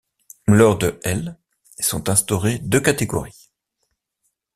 Lors de l', sont instaurées deux catégories.